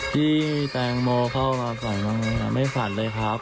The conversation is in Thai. ที่แตงโมเข้ามาฝันไม่ฝันเลยครับ